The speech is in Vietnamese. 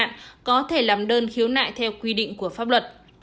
thì chị c có thể làm đơn khiếu nại theo quy định của pháp luật